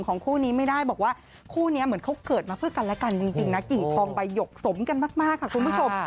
คู่นี้ไม่ได้บอกว่าคู่นี้เหมือนเขาเกิดมาเพื่อกันและกันจริงนะกิ่งทองใบหยกสมกันมากค่ะคุณผู้ชม